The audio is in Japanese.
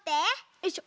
よいしょ。